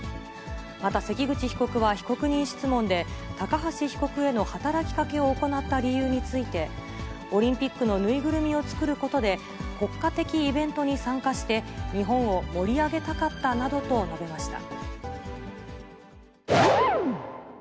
また関口被告は被告人質問で、高橋被告への働きかけを行った理由について、オリンピックの縫いぐるみを作ることで、国家的イベントに参加して、日本を盛り上げたかったなどと述べました。